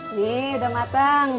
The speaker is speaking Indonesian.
ini udah matang